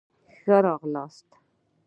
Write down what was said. ښه را غلاست